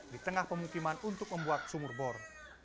di tengah pemukiman untuk membuat sumur bor